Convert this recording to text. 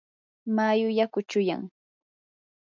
mayu yaku chuyam.